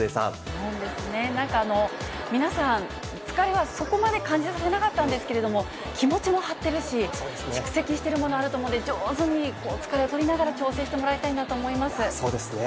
そうですね、なんか皆さん、疲れはそこまで感じさせなかったんですけれども、気持ちも張ってるし、蓄積しているものあると思うので、上手に疲れ取りながら、そうですね。